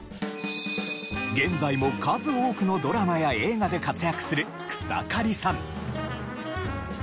現在も数多くのドラマや映画で活躍する草刈さん。